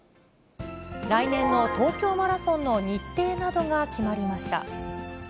来年の東京マラソンの日程などが決まりました。